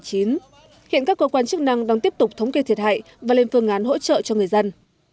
hiện các cơ quan chức năng đang tiếp tục thống kê thiệt hại và lên phương án hỗ trợ cho người dân